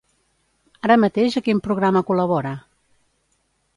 Ara mateix a quin programa col·labora?